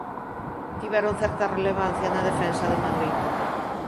Tiveron certa relevancia na defensa de Madrid.